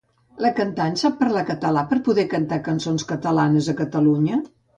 La cantant sap parlar català per poder cantar cançons catalanes a Catalunya?